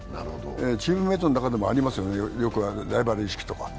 チームメイトの中でもありますよね、よく、ライバル意識とか。